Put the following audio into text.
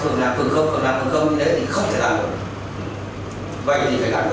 với bà con thấy là tại sao phường làm phường không phường làm phường không như thế thì không thể làm được